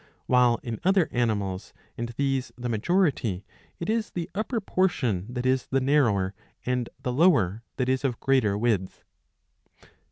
While in other animals, and these the majority, it is the upper portion that is the narrower and the lower that is of greater width.